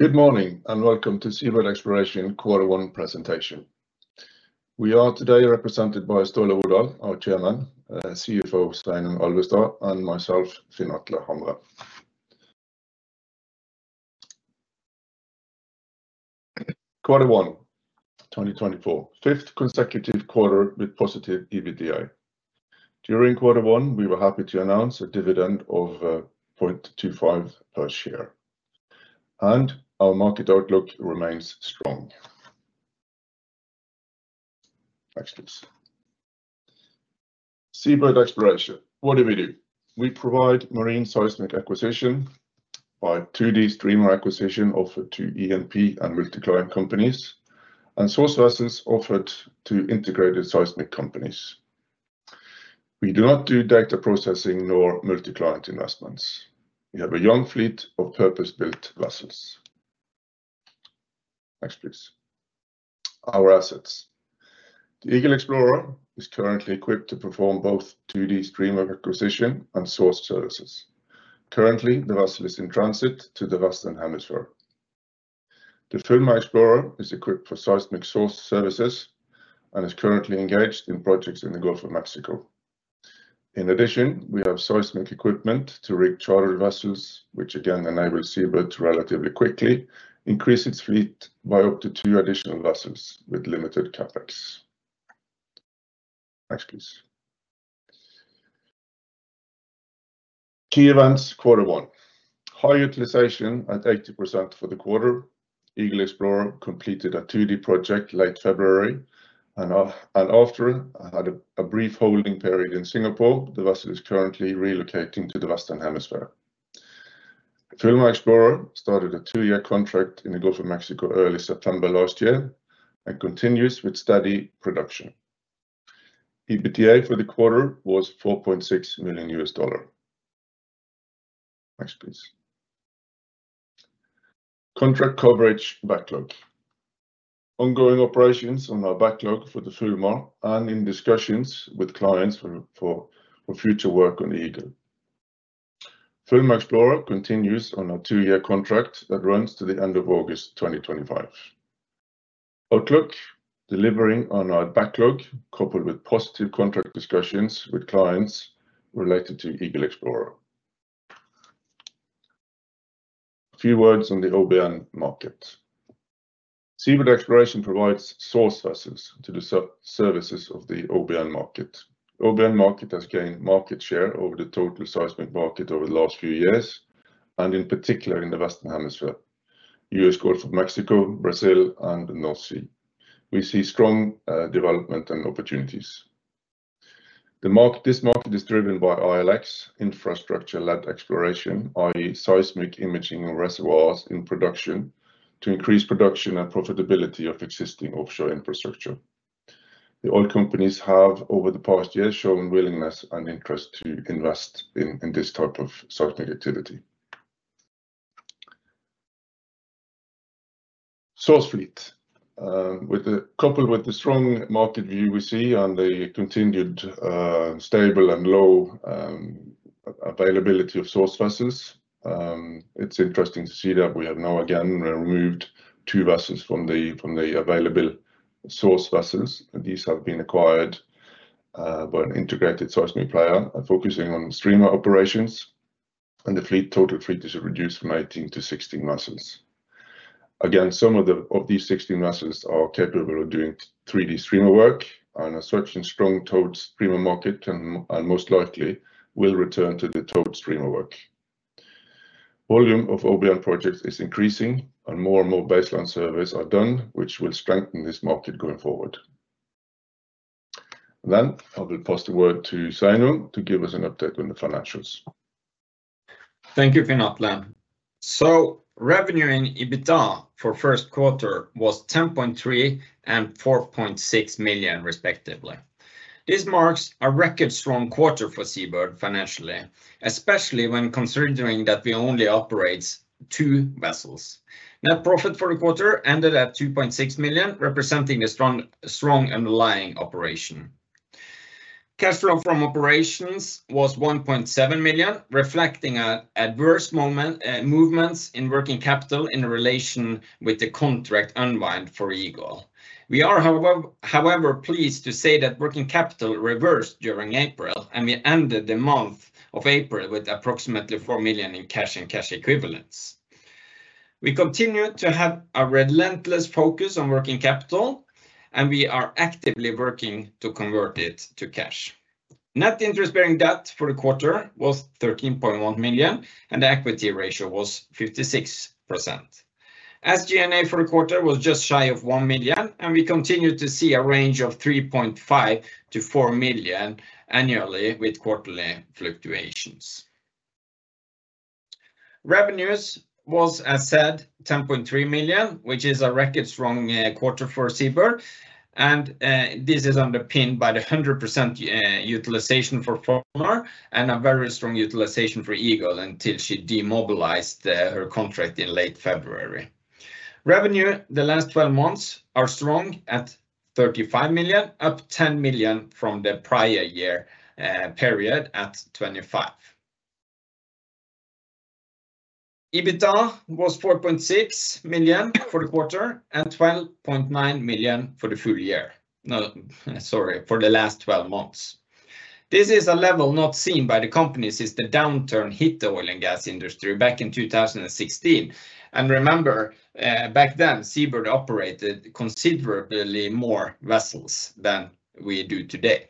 Good morning, and welcome to SeaBird Exploration Quarter 1 presentation. We are today represented by Ståle Rodahl, our chairman, CFO Sveinung Alvestad, and myself, Finn Atle Hamre. Quarter 1, 2024. Fifth consecutive quarter with positive EBITDA. During quarter 1, we were happy to announce a dividend of $0.25 per share, and our market outlook remains strong. Next, please. SeaBird Exploration, what do we do? We provide marine seismic acquisition by 2D streamer acquisition offered to E&P and multi-client companies, and source vessels offered to integrated seismic companies. We do not do data processing nor multi-client investments. We have a young fleet of purpose-built vessels. Next, please. Our assets. The Eagle Explorer is currently equipped to perform both 2D streamer acquisition and source services. Currently, the vessel is in transit to the Western Hemisphere. The Fulmar Explorer is equipped for seismic source services and is currently engaged in projects in the Gulf of Mexico. In addition, we have seismic equipment to rig charter vessels, which again enable SeaBird to relatively quickly increase its fleet by up to two additional vessels with limited CapEx. Next, please. Key events, quarter one. High utilization at 80% for the quarter. Eagle Explorer completed a 2D project late February, and after a brief holding period in Singapore, the vessel is currently relocating to the Western Hemisphere. Fulmar Explorer started a two-year contract in the Gulf of Mexico early September last year and continues with steady production. EBITDA for the quarter was $4.6 million. Next, please. Contract coverage backlog. Ongoing operations on our backlog for the Fulmar and in discussions with clients for future work on the Eagle. Fulmar Explorer continues on a 2-year contract that runs to the end of August 2025. Outlook, delivering on our backlog, coupled with positive contract discussions with clients related to Eagle Explorer. A few words on the OBN market. SeaBird Exploration provides source vessels to the sub-services of the OBN market. OBN market has gained market share over the total seismic market over the last few years, and in particular in the Western Hemisphere, U.S., Gulf of Mexico, Brazil, and the North Sea. We see strong development and opportunities. The market. This market is driven by ILX, Infrastructure-Led Exploration, i.e., seismic imaging reservoirs in production to increase production and profitability of existing offshore infrastructure. The oil companies have, over the past years, shown willingness and interest to invest in this type of seismic activity. Source fleet. Coupled with the strong market view we see on the continued, stable and low availability of source vessels, it's interesting to see that we have now again removed two vessels from the available source vessels. These have been acquired by an integrated seismic player and focusing on streamer operations, and the total fleet is reduced from 18 to 16 vessels. Again, some of these 16 vessels are capable of doing 3D streamer work and are searching strong towed streamer market, and most likely will return to the towed streamer work. Volume of OBN projects is increasing, and more and more baseline surveys are done, which will strengthen this market going forward. Then I will pass the word to Sveinung to give us an update on the financials. Thank you, Finn Atle. So revenue and EBITDA for first quarter was $10.3 million and $4.6 million, respectively. This marks a record strong quarter for SeaBird financially, especially when considering that we only operates two vessels. Net profit for the quarter ended at $2.6 million, representing a strong, strong underlying operation. Cash flow from operations was $1.7 million, reflecting a adverse moment, movements in working capital in relation with the contract unwind for Eagle. We are, however, pleased to say that working capital reversed during April, and we ended the month of April with approximately $4 million in cash and cash equivalents. We continue to have a relentless focus on working capital, and we are actively working to convert it to cash. Net interest-bearing debt for the quarter was $13.1 million, and the equity ratio was 56%. SG&A for the quarter was just shy of $1 million, and we continue to see a range of $3.5 million-$4 million annually, with quarterly fluctuations. Revenues was, as said, $10.3 million, which is a record strong quarter for SeaBird, and this is underpinned by the 100% utilization for Fulmar and a very strong utilization for Eagle until she demobilized her contract in late February. Revenue the last twelve months are strong at $35 million, up $10 million from the prior year period at $25 million. EBITDA was $4.6 million for the quarter, and $12.9 million for the full year. No, sorry, for the last twelve months. This is a level not seen by the company since the downturn hit the oil and gas industry back in 2016. And remember, back then, SeaBird operated considerably more vessels than we do today.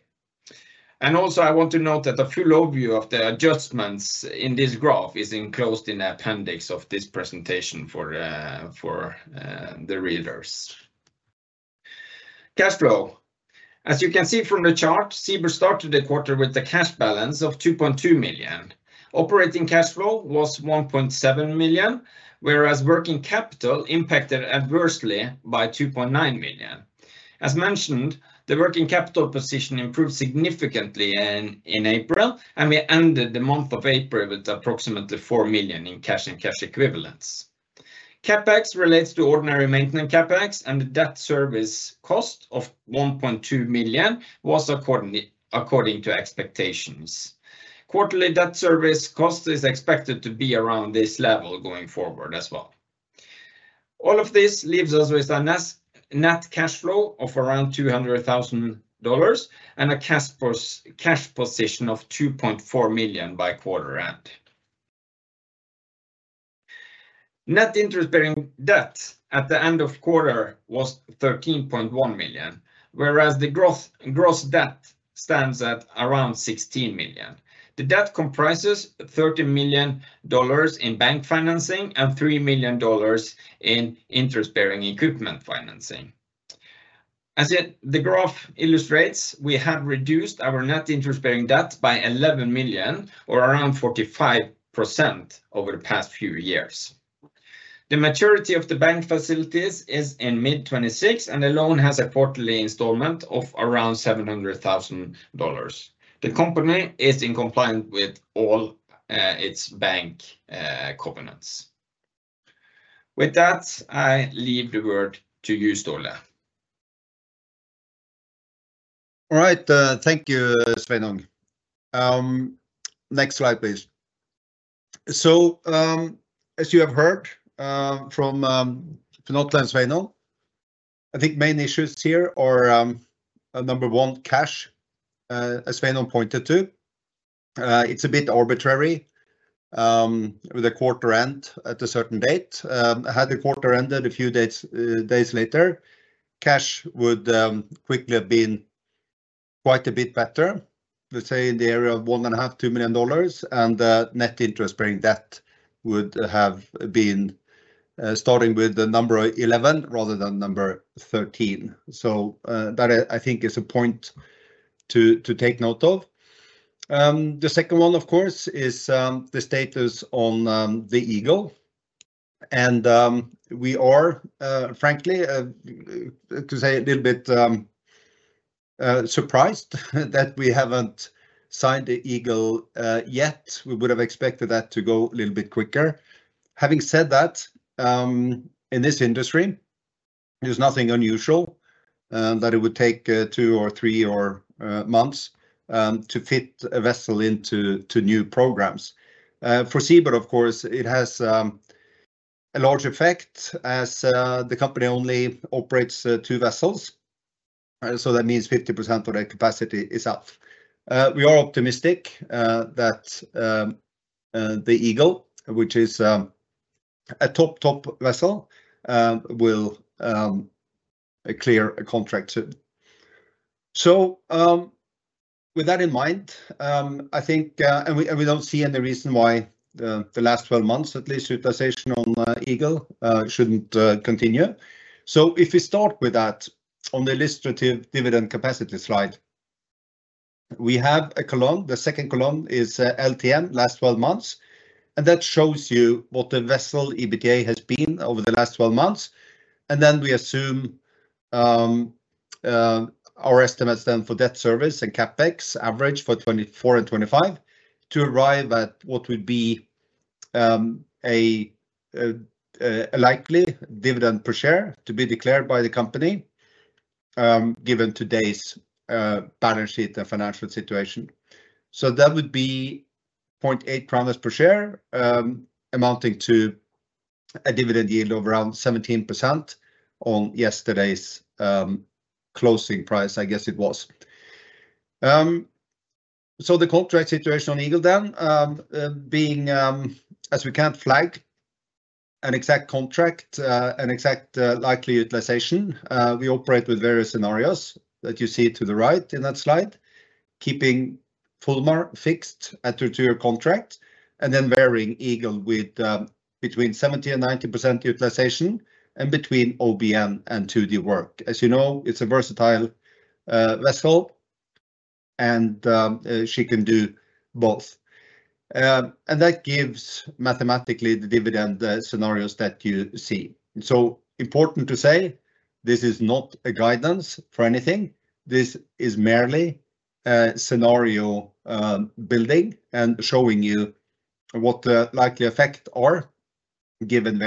And also, I want to note that a full overview of the adjustments in this graph is enclosed in the appendix of this presentation for the readers. Cash flow. As you can see from the chart, SeaBird started the quarter with the cash balance of $2.2 million. Operating cash flow was $1.7 million, whereas working capital impacted adversely by $2.9 million. As mentioned, the working capital position improved significantly in April, and we ended the month of April with approximately $4 million in cash and cash equivalents. CapEx relates to ordinary maintenance CapEx, and the debt service cost of $1.2 million was accordingly, according to expectations. Quarterly debt service cost is expected to be around this level going forward as well. All of this leaves us with a net cash flow of around $200,000, and a cash position of $2.4 million by quarter end. Net interest-bearing debt at the end of quarter was $13.1 million, whereas the gross debt stands at around $16 million. The debt comprises $13 million in bank financing and $3 million in interest-bearing equipment financing. As the graph illustrates, we have reduced our net interest-bearing debt by $11 million, or around 45% over the past few years. The maturity of the bank facilities is in mid-2026, and the loan has a quarterly installment of around $700,000. The company is in compliance with all its bank covenants. With that, I leave the word to you, Ståle. All right, thank you, Sveinung. Next slide, please. So, as you have heard, from Finn Atle and Sveinung, I think main issues here are, number one, cash, as Sveinung pointed to, it's a bit arbitrary, with the quarter end at a certain date. Had the quarter ended a few days later, cash would quickly have been quite a bit better, let's say in the area of $1.5-$2 million, and net interest-bearing debt would have been, starting with the number $11 million rather than number $13 million. So, that, I think, is a point to take note of. The second one, of course, is, the status on, the Eagle. We are frankly to say a little bit surprised that we haven't signed the Eagle yet. We would have expected that to go a little bit quicker. Having said that, in this industry, there's nothing unusual that it would take 2 or 3 months to fit a vessel into new programs. For SeaBird, of course, it has a large effect as the company only operates 2 vessels. So that means 50% of their capacity is up. We are optimistic that the Eagle, which is a top, top vessel, will clear a contract soon. So, with that in mind, I think, and we, and we don't see any reason why, the last twelve months at least, utilization on, Eagle, shouldn't continue. So if we start with that on the illustrative dividend capacity slide, we have a column. The second column is, LTM, last twelve months, and that shows you what the vessel EBITDA has been over the last twelve months. And then we assume, our estimates then for debt service and CapEx average for 2024 and 2025 to arrive at what would be, a likely dividend per share to be declared by the company, given today's, balance sheet and financial situation. So that would be 0.8 NOK per share, amounting to a dividend yield of around 17% on yesterday's closing price, I guess it was. So the contract situation on Eagle then, being as we can't flag an exact contract, an exact likely utilization, we operate with various scenarios that you see to the right in that slide, keeping Fulmar fixed at a two-year contract, and then varying Eagle with between 70%-90% utilization and between OBN and 2D work. As you know, it's a versatile vessel, and she can do both. And that gives mathematically the dividend scenarios that you see. So important to say, this is not a guidance for anything. This is merely scenario building and showing you what the likely effect are, given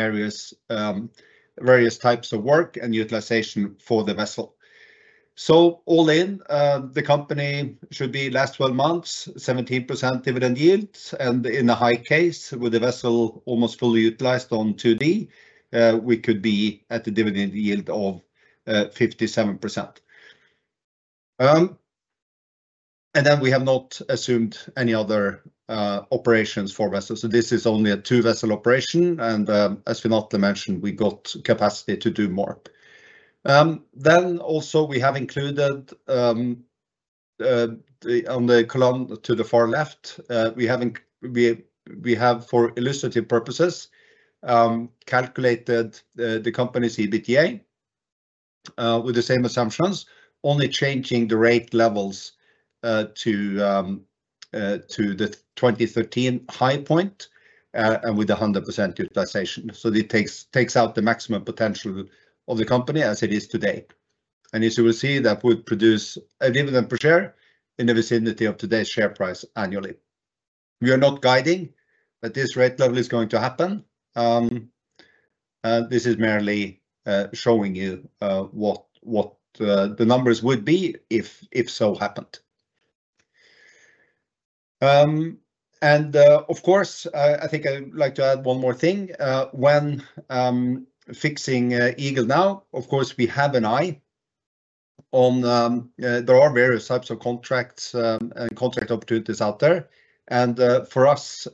various types of work and utilization for the vessel. So all in, the company should be last twelve months, 17% dividend yield, and in a high case, with the vessel almost fully utilized on 2D, we could be at the dividend yield of 57%. And then we have not assumed any other operations for vessels, so this is only a two-vessel operation, and as for not to mention, we got capacity to do more. Then also we have included, on the column to the far left, we have, for illustrative purposes, calculated the company's EBITDA with the same assumptions, only changing the rate levels to the 2013 high point and with 100% utilization. So it takes out the maximum potential of the company as it is today. And as you will see, that would produce a dividend per share in the vicinity of today's share price annually. We are not guiding, but this rate level is going to happen. This is merely showing you what the numbers would be if so happened. And, of course, I think I'd like to add one more thing. When fixing Eagle now, of course, we have an eye on. There are various types of contracts and contract opportunities out there. For us,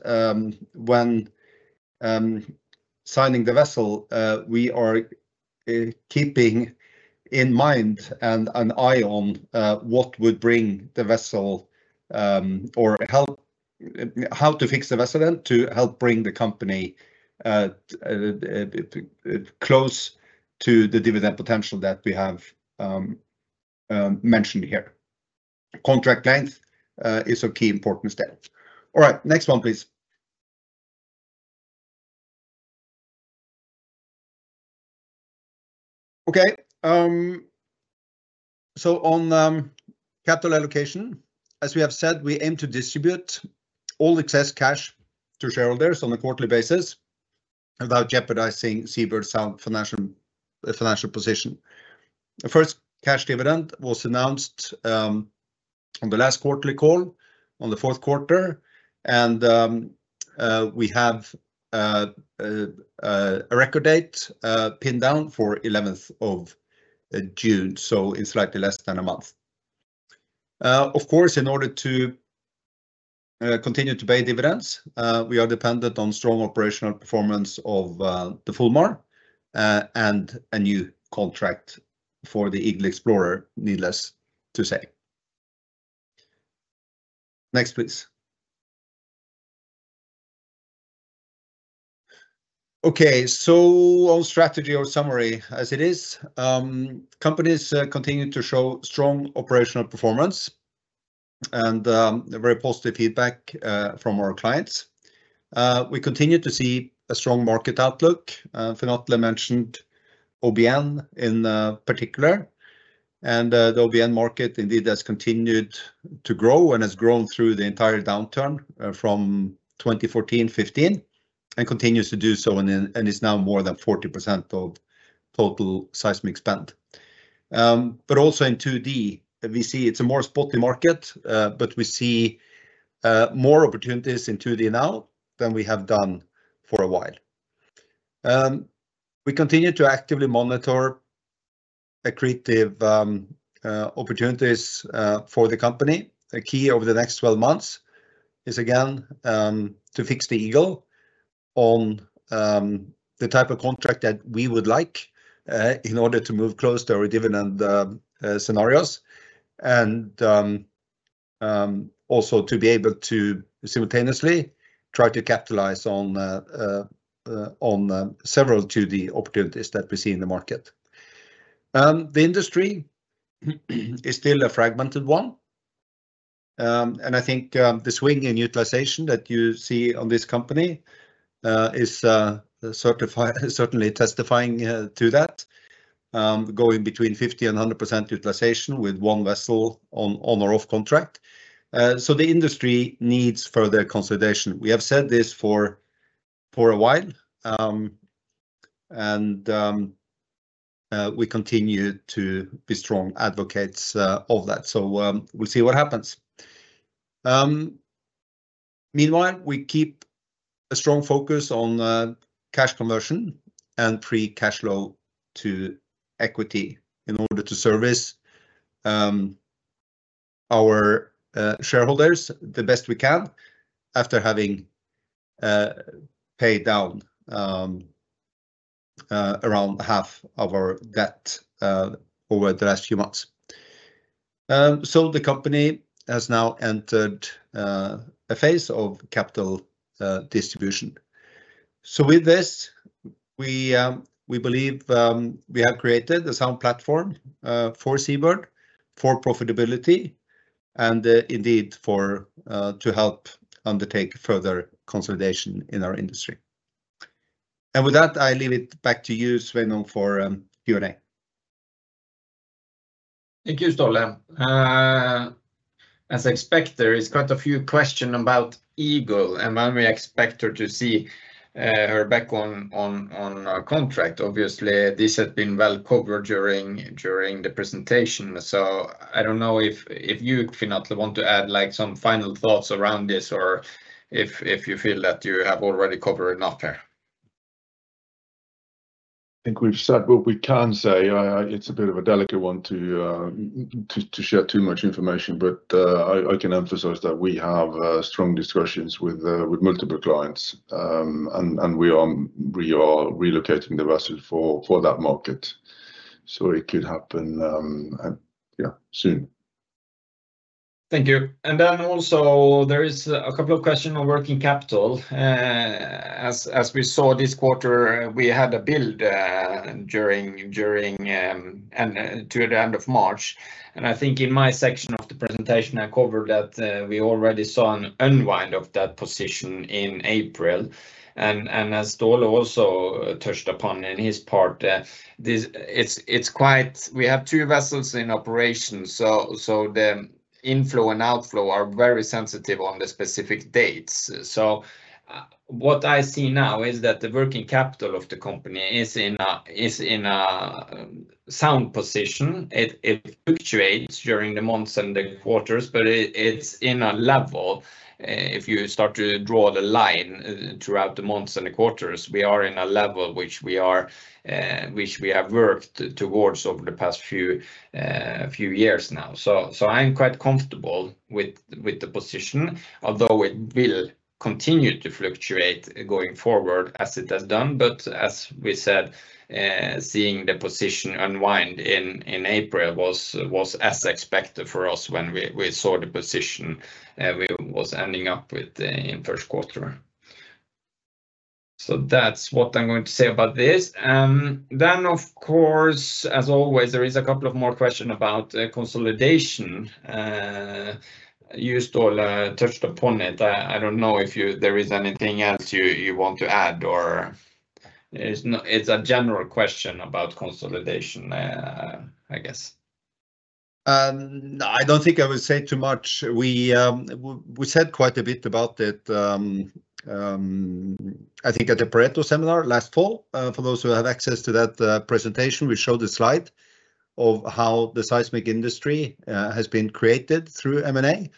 when signing the vessel, we are keeping in mind and an eye on what would bring the vessel or help, how to fix the vessel then to help bring the company close to the dividend potential that we have mentioned here. Contract length is a key important step. All right, next one, please. So on capital allocation, as we have said, we aim to distribute all excess cash to shareholders on a quarterly basis without jeopardizing SeaBird's sound financial position. The first cash dividend was announced on the last quarterly call on the fourth quarter, and we have a record date pinned down for eleventh of June, so in slightly less than a month. Of course, in order to continue to pay dividends, we are dependent on strong operational performance of the Fulmar, and a new contract for the Eagle Explorer, needless to say. Next, please. So on strategy or summary as it is, companies continue to show strong operational performance and very positive feedback from our clients. We continue to see a strong market outlook for not only mentioned OBN in particular, and the OBN market indeed has continued to grow and has grown through the entire downturn from 2014, 2015, and continues to do so and is now more than 40% of total seismic spend. But also in 2D, we see it's a more spotty market, but we see more opportunities in 2D now than we have done for a while. We continue to actively monitor accretive opportunities for the company. The key over the next 12 months is, again, to fix the Eagle on the type of contract that we would like in order to move close to our dividend scenarios, and also to be able to simultaneously try to capitalize on several 2D opportunities that we see in the market. The industry is still a fragmented one, and I think the swing in utilization that you see on this company is certainly testifying to that, going between 50% and 100% utilization with one vessel on or off contract. So the industry needs further consolidation. We have said this for a while, and we continue to be strong advocates of that. So, we'll see what happens. Meanwhile, we keep a strong focus on cash conversion and free cash flow to equity in order to service our shareholders the best we can after having paid down around half of our debt over the last few months. So the company has now entered a phase of capital distribution. So with this, we believe we have created a sound platform for SeaBird, for profitability, and indeed, for to help undertake further consolidation in our industry and with that, I leave it back to you, Sveinung, for Q&A. Thank you, Ståle. As expected, there is quite a few question about Eagle, and when we expect to see her back on a contract. Obviously, this has been well covered during the presentation, so I don't know if you, Finn Atle, want to add, like, some final thoughts around this, or if you feel that you have already covered enough there. I think we've said what we can say. It's a bit of a delicate one to share too much information, but I can emphasize that we have strong discussions with multiple clients. And we are relocating the vessel for that market, so it could happen soon. Thank you. And then also, there is a couple of questions on working capital. As we saw this quarter, we had a build during and to the end of March, and I think in my section of the presentation, I covered that, we already saw an unwind of that position in April. And as Ståle also touched upon in his part, this. It's quite- we have two vessels in operation, so the inflow and outflow are very sensitive on the specific dates. So, what I see now is that the working capital of the company is in a sound position. It, it fluctuates during the months and the quarters, but it, it's in a level, if you start to draw the line throughout the months and the quarters, we are in a level which we are, which we have worked towards over the past few, few years now. So, so I'm quite comfortable with, with the position, although it will continue to fluctuate going forward, as it has done. But as we said, seeing the position unwind in, in April was, was as expected for us when we, we saw the position, we was ending up with in first quarter. So that's what I'm going to say about this. Then, of course, as always, there is a couple of more question about consolidation. You, Ståle, touched upon it. I don't know if there is anything else you want to add or it's a general question about consolidation, I guess. I don't think I will say too much. We said quite a bit about it, I think at the Pareto seminar last fall. For those who have access to that presentation, we showed a slide of how the seismic industry has been created through M&A,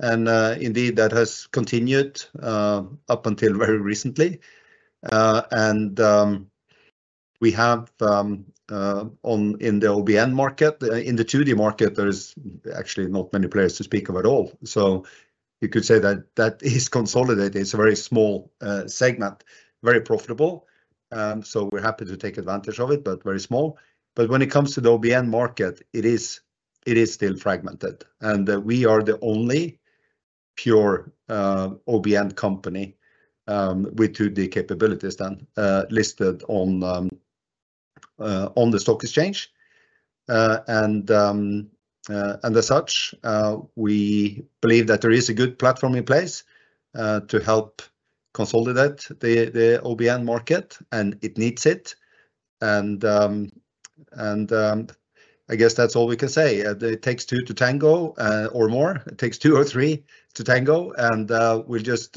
and indeed, that has continued up until very recently. And we have in the OBN market, in the 2D market, there is actually not many players to speak of at all, so you could say that that is consolidated. It's a very small segment, very profitable, so we're happy to take advantage of it, but very small. But when it comes to the OBN market, it is still fragmented, and we are the only pure OBN company with 2D capabilities then listed on the stock exchange. And as such, we believe that there is a good platform in place to help consolidate the OBN market, and it needs it. I guess that's all we can say. It takes two to tango or more. It takes two or three to tango, and we'll just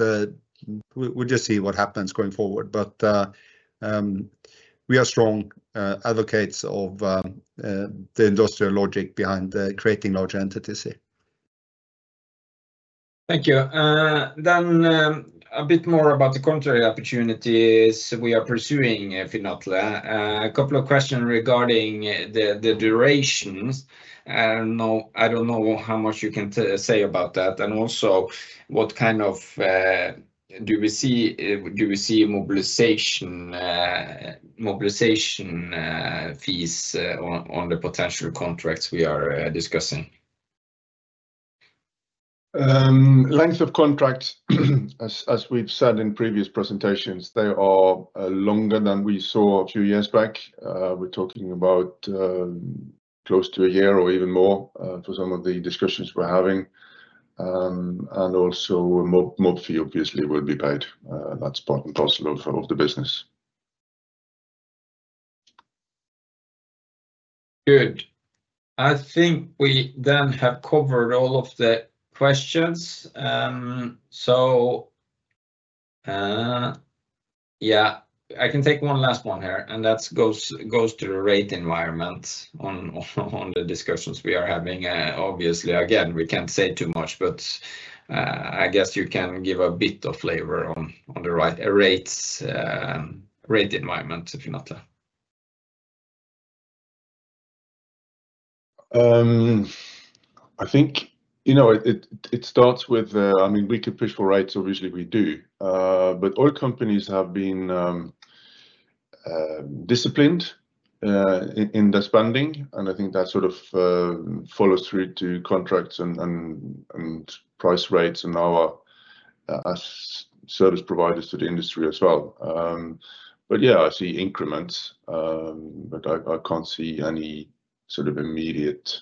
see what happens going forward. But we are strong advocates of the industrial logic behind the creating large entities here. Thank you. Then, a bit more about the contract opportunities we are pursuing, Finn Atle. A couple of questions regarding the durations. I don't know how much you can say about that. And also, what do we see mobilization fees on the potential contracts we are discussing? Length of contracts, as we've said in previous presentations, they are longer than we saw a few years back. We're talking about close to a year or even more for some of the discussions we're having. And also mob fee obviously will be paid. That's part and parcel of the business. Good. I think we then have covered all of the questions. I can take one last one here, and that goes to the rate environment on the discussions we are having. Obviously, again, we can't say too much, but I guess you can give a bit of flavor on the right rates, rate environment, Finn Atle. I think, you know, it starts with, I mean, we can push for rates, obviously we do, but oil companies have been disciplined in their spending, and I think that follows through to contracts and price rates and our, as service providers to the industry as well. I see increments, but I can't see any immediate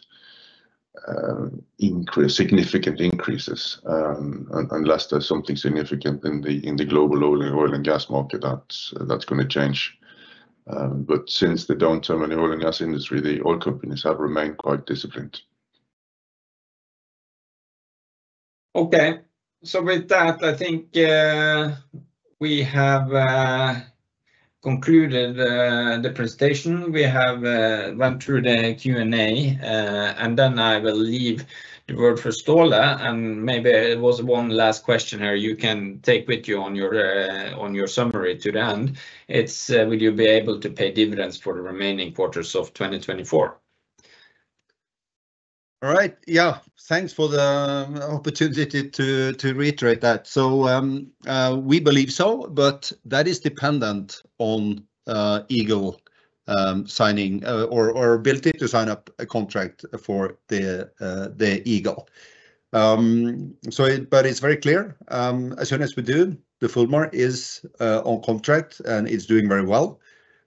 increase, significant increases, unless there's something significant in the global oil and gas market that's going to change. But since the downturn in the oil and gas industry, the oil companies have remained quite disciplined. So with that, I think, we have concluded the presentation. We have went through the Q&A, and then I will leave the word for Ståle, and maybe there was one last question here you can take with you on your summary to the end. It's, "Will you be able to pay dividends for the remaining quarters of 2024. All right, thanks for the opportunity to reiterate that. So, we believe so, but that is dependent on Eagle signing or ability to sign up a contract for the Eagle. But it's very clear, as soon as we do, the Fulmar is on contract, and it's doing very well,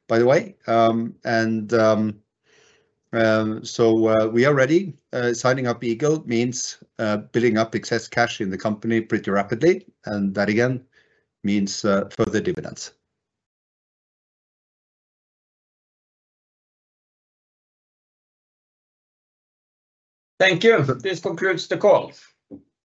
by the way. And so, we are ready. Signing up Eagle means building up excess cash in the company pretty rapidly, and that, again, means further dividends. Thank you. This concludes the call.